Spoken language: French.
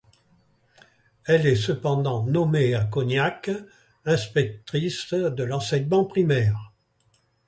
Elle est cependant nommée à Cognac inspectrice de l'enseignement primaire.